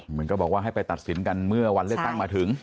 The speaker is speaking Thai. เหมือนกับบอกว่าให้ไปตัดสินกันเมื่อวันเลือกตั้งมาถึง